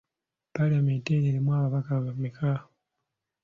Paalamenti eno erimu ababaka bameka?